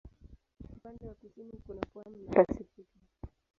Upande wa kusini kuna pwani na Pasifiki.